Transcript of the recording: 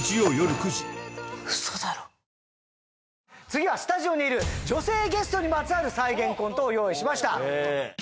次はスタジオにいる女性ゲストにまつわる再現コントを用意しました